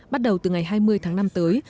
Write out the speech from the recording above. bắt đầu từ ngày hai mươi tháng năm tới